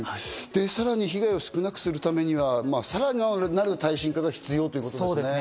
さらに被害を少なくするためにはさらなる耐震化が必要ということですね。